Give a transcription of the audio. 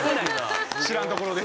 知らんところで。